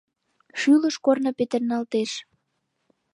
Шӱлыш корно петырналтеш.